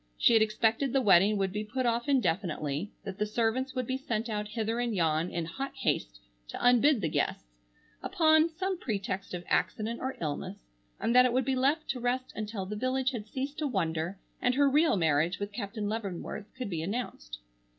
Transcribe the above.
She had expected the wedding would be put off indefinitely, that the servants would be sent out hither and yon in hot haste to unbid the guests, upon some pretext of accident or illness, and that it would be left to rest until the village had ceased to wonder and her real marriage with Captain Leavenworth could be announced.